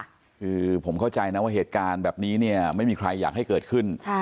คือผมเข้าใจนะว่าเหตุการณ์แบบนี้เนี่ยไม่มีใครอยากให้เกิดขึ้น